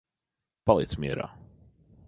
Paliec mierā.